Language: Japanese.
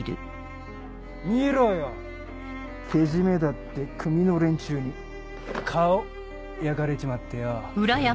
ケジメだって組の連中に顔焼かれちまってよ